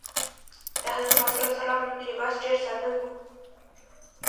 د حضرت محمد ﷺ لباس ډېر ساده و.